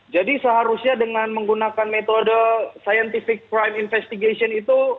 jadi seharusnya dengan menggunakan metode scientific crime investigation itu